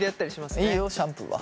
いいよシャンプーは。